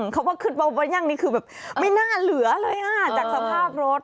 ขึ้นมาบนยั่งไม่น่าเหลือเลยจากสภาพรถ